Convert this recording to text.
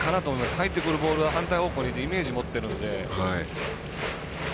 入ってくるボールは反対方向に打つイメージ持っているので。